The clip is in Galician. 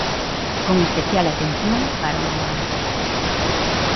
Con especial atención para o naval.